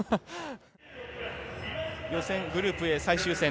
予選グループＡ最終戦。